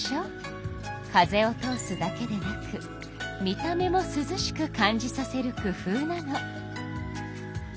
風を通すだけでなく見た目もすずしく感じさせる工夫なの。